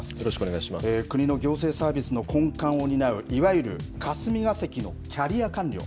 国の行政サービスの根幹を担ういわゆる霞が関のキャリア官僚。